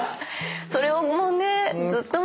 それをもうね。